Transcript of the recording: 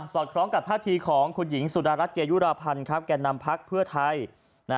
อดคล้องกับท่าทีของคุณหญิงสุดารัฐเกยุราพันธ์แก่นำพักเพื่อไทย